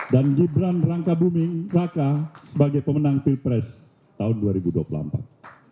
dan gibran rangkabuming raka sebagai pemenang pilpres tahun dua ribu dua puluh empat